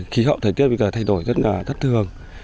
khí hậu thời tiết bây giờ thay đổi rất là thất thường